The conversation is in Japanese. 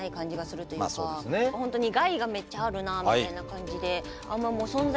本当に害がめっちゃあるなみたいな感じであんまりなのかな？